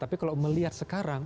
tapi kalau melihat sekarang